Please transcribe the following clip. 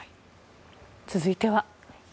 続いては。